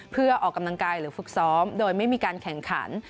เพื่อออกกำลังกายหรือฝึกซ้อมโดยไม่มีการแข่งขัน